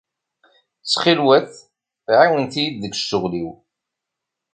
Ttxil-wet ɛiwnet-iyi deg ccɣel-iw.